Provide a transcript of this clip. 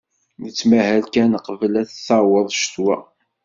Nettmalah kan qbel ad d-taweḍ ccetwa.